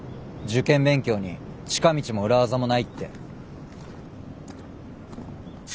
受験勉強に近道も裏技もないって。